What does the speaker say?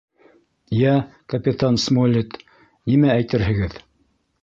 — Йә, капитан Смолетт, нимә әйтерһегеҙ?